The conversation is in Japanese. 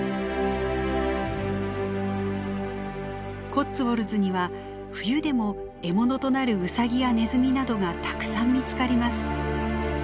コッツウォルズには冬でも獲物となるウサギやネズミなどがたくさん見つかります。